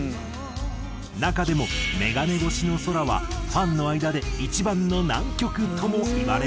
中でも『眼鏡越しの空』はファンの間で一番の難曲ともいわれている。